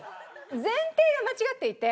前提が間違っていて。